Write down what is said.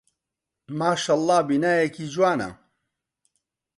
ماشەڵڵا بینایەکی جوانە.